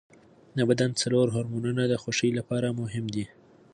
د بدن څلور هورمونونه د خوښۍ لپاره مهم دي.